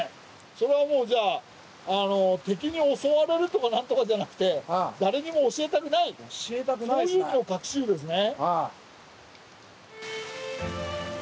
それはもう敵に襲われるとか何とかじゃなくて誰にも教えたくないそういう意味の隠し湯ですね。